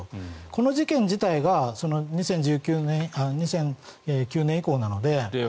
この事件自体が２００９年以降なので。